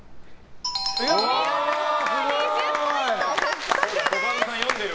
見事、２０ポイント獲得です！